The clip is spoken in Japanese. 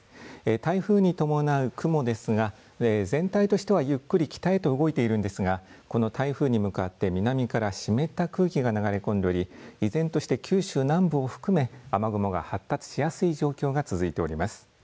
台風に伴う雲ですが全体としては、ゆっくり北へと動いているんですがこの台風に向かって南から湿った空気が流れ込んでおり依然として九州南部を含め雨雲が発達しやすい状況が続いています。